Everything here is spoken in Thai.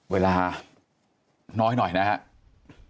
เวลาน้อยนะครับ